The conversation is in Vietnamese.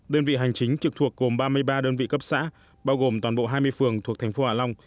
đơn vị hành chính trực thuộc gồm ba mươi ba đơn vị cấp xã bao gồm toàn bộ hai mươi phường thuộc thành phố hạ long